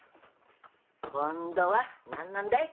今度は何なんだい？